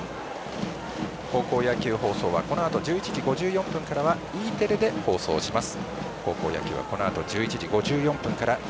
高校野球放送はこのあと１１時５４分からはＥテレで放送します。